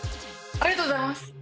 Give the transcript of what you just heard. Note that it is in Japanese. ありがとうございます！